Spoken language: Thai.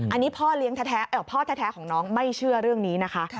อันนี้พ่อเลี้ยงท้าแท้พ่อท้าแท้ของน้องไม่เชื่อเรื่องนี้นะคะ